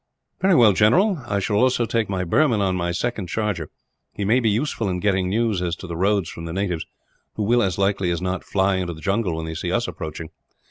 "Very well, General. I shall also take my Burman, on my second charger. He may be useful in getting news as to roads from the natives; who will, as likely as not, fly into the jungle when they see us approaching.